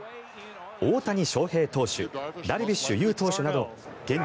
大谷翔平投手ダルビッシュ有投手など現状